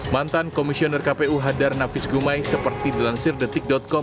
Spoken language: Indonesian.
mantan komisioner kpu hadar nafis gumai seperti dilansir detik com